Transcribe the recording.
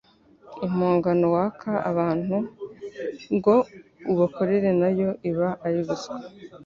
Impongano waka abantu ngo ubakorere nayo iba ari ruswa